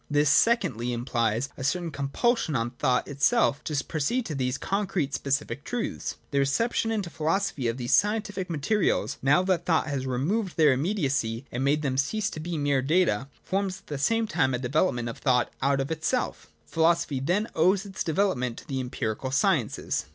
This, secondly, implies a certain compulsion on thought itself to proceed to these concrete specific truths. The reception into philosophy of these scientific materials, now that thought has re moved their immediacy and made them cease to be mere data, forms at the same time a development of •thought out of itself Philosophy, then, owes its de velopment to the empirical sciences.